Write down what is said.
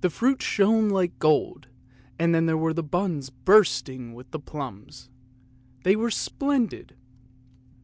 The fruit shone like gold, and then there were buns bursting with plums; they were splendid!